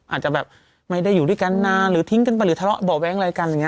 อาจจะแบบไม่ได้อยู่ด้วยกันนานหรือทิ้งกันไปหรือทะเลาะเบาะแว้งอะไรกันอย่างนี้